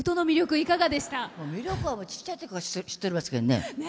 魅力はちっちゃいときから知ってるけどね。